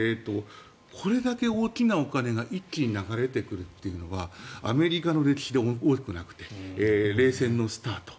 これだけ大きなお金が一気に流れてくるというのはアメリカの歴史でなくて冷戦のスタート